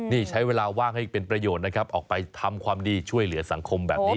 นี่ใช้เวลาว่างให้เป็นประโยชน์นะครับออกไปทำความดีช่วยเหลือสังคมแบบนี้